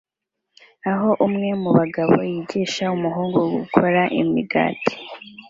aho umwe mu bagabo yigisha umuhungu gukora imigati